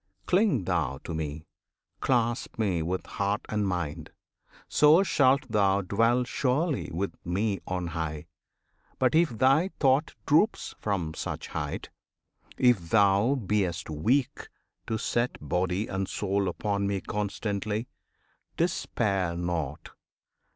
Cling thou to Me! Clasp Me with heart and mind! so shalt thou dwell Surely with Me on high. But if thy thought Droops from such height; if thou be'st weak to set Body and soul upon Me constantly, Despair not!